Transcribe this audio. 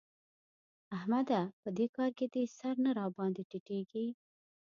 احمده! په دې کار کې دي سر نه راباندې ټيټېږي.